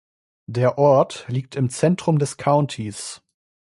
Der Ort liegt im Zentrum des Countys.